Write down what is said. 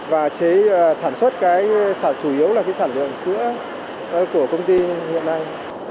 và chế sản xuất chủ yếu là sản lượng sữa của công ty hiện nay